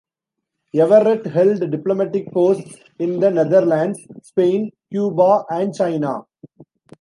Everett held diplomatic posts in the Netherlands, Spain, Cuba, and China.